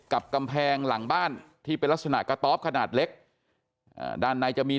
กำแพงหลังบ้านที่เป็นลักษณะกระต๊อบขนาดเล็กด้านในจะมี